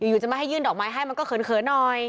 อยู่จะมาให้ยื่นดอกไม้ให้มันก็เขินหน่อย